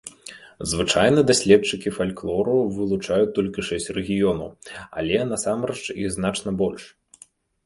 Звычайна, даследчыкі фальклору вылучаюць толькі шэсць рэгіёнаў, але насамрэч іх значна больш.